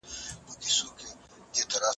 د ماشومانو تعلیم د هېواد د سواد نښه ده.